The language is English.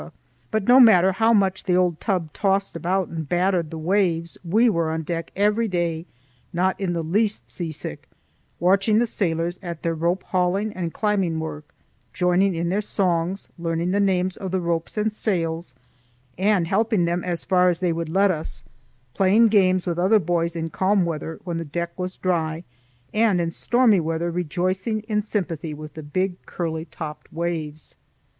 But no matter how much the old tub tossed about and battered the waves, we were on deck every day, not in the least seasick, watching the sailors at their rope hauling and climbing work; joining in their songs, learning the names of the ropes and sails, and helping them as far as they would let us; playing games with other boys in calm weather when the deck was dry, and in stormy weather rejoicing in sympathy with the big curly topped waves.